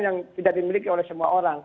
yang tidak dimiliki oleh semua orang